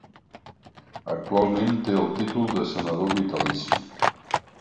Actualment té el títol de senador vitalici.